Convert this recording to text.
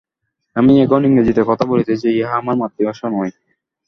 আমি এখন ইংরেজীতে কথা বলিতেছি, ইহা আমার মাতৃভাষা নয়।